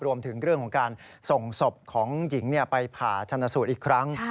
รวมถึงเรื่องของการส่งศพของหญิงไปผ่าชนสูตรอีกครั้ง